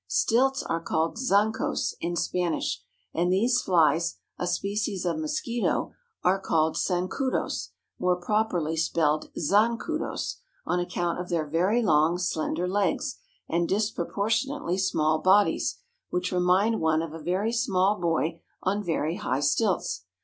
Stilts are called zancos in Spanish, and these flies, a species of mosquito, are called sancudos more properly spelled zancudos on account of their very long, slender legs and disproportionately small bodies, which remind one of a very small boy on very high stilts.